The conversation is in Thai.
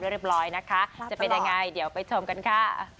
เรียบร้อยนะคะจะเป็นยังไงเดี๋ยวไปชมกันค่ะ